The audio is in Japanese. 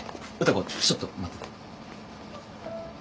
歌子ちょっと待ってて。